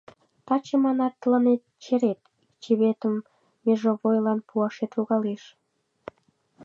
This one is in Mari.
Таче, манат, тыланет черет, ик чыветым межовойлан пуашет логалеш...